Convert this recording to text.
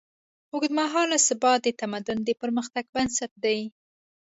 اوږدمهاله ثبات د تمدن د پرمختګ بنسټ دی.